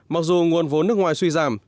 mặc dù nguồn vốn nước ngoài suy giảm